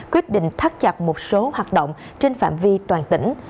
quyết định thắt chặt một số hoạt động trên phạm vi toàn tỉnh